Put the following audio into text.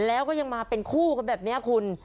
แล้วก็ยังมาเป็นคู่กันแบบนี้คุณ